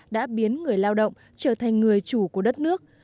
đã biến người lao động trở thành người chủ của đất nước